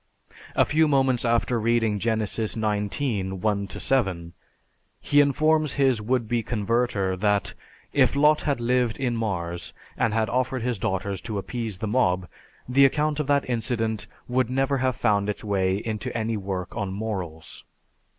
A few moments after reading Genesis XIX, 1 7, he informs his would be converter that if Lot had lived in Mars and had offered his daughters to appease the mob, the account of that incident would never have found its way into any work on morals.